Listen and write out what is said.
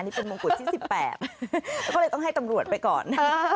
นี่เป็นมงกุฎที่๑๘เขาเลยต้องให้ตำรวจไปก่อน